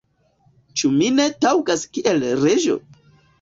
ĉu mi ne taŭgas kiel reĝo?